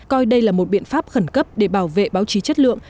coi đây là một biện pháp khẩn cấp để bảo vệ báo chí chất lượng